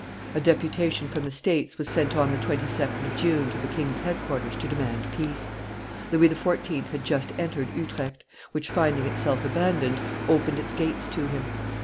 A deputation from the States was sent on the 22d of June to the king's headquarters to demand peace. Louis XIV. had just entered Utrecht, which, finding itself abandoned, opened its gates to him.